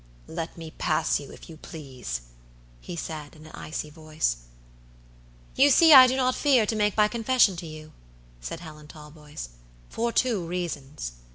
"Let me pass you, if you please," he said, in an icy voice. "You see I do not fear to make my confession to you," said Helen Talboys; "for two reasons.